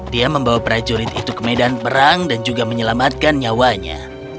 dia membawa prajurit itu ke medan perang dan juga menyelamatkan nyawanya